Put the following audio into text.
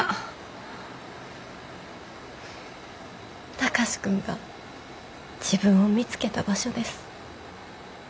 貴司君が自分を見つけた場所です。